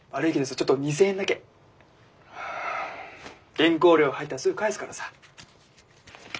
原稿料入ったらすぐ返すからさ。